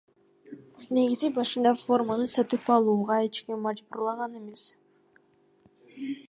Негизи башында форманы сатып алууга эч ким мажбурлаган эмес.